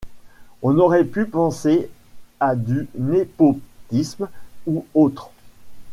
On aurait pu penser à du népotisme ou autre.